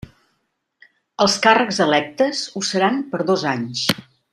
Els càrrecs electes ho seran per dos anys.